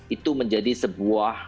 itu menjadi teknologi yang sangat berharga